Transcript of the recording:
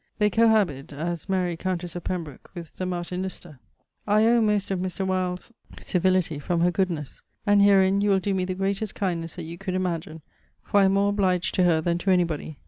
They cohabite, as Mary, countess of Pembroke, with Sir Martin Lister. I owe most of Mr. Wyld's civility from her goodness. And herein you will doe me the greatest kindness that you could imagine, for I am more obliged to her than to anybody.